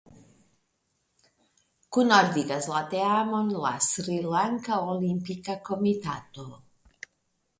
Kunordigas la teamon la Srilanka Olimpika Komitato.